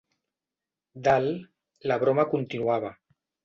Dalt, la broma continuava.